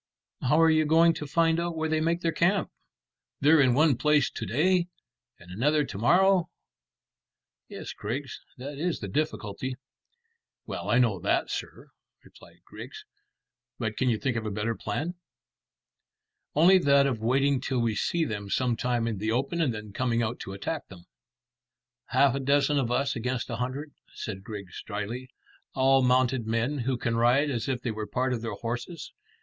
"How are you going to find out where they make their camp? They're in one place to day and another to morrow." "Yes, Griggs, that is the difficulty." "Well, I know that, sir," replied Griggs; "but can you think of a better plan?" "Only that of waiting till we see them some time in the open, and then coming out to attack them." "Half a dozen of us against a hundred," said Griggs dryly; "all mounted men who can ride as if they were part of their horses.